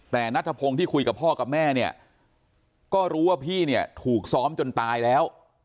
แต่นัทพงศ์ที่คุยกับพ่อกับแม่เนี่ยก็รู้ว่าพี่เนี่ยถูกซ้อมจนตายแล้ว